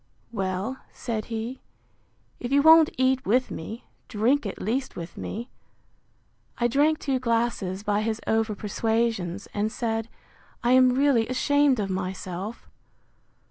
Well, said he, if you won't eat with me, drink at least with me: I drank two glasses by his over persuasions, and said, I am really ashamed of myself.